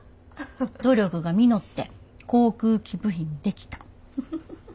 努力が実って航空機部品出来た。